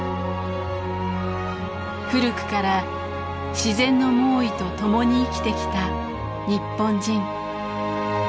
古くから自然の猛威と共に生きてきた日本人。